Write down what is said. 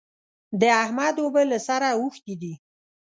د احمد اوبه له سره اوښتې دي.